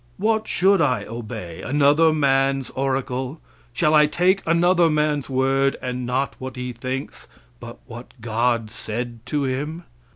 What should I obey? Another man's oracle? Shall I take another man's word and not what he thinks, but what God said to him?